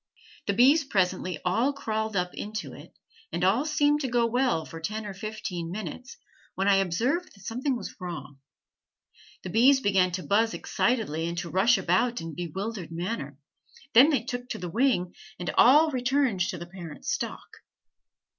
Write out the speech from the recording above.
The bees presently all crawled up into it, and all seemed to go well for ten or fifteen minutes, when I observed that something was wrong; the bees began to buzz excitedly and to rush about in a bewildered manner, then they took to the wing and all returned to the parent stock.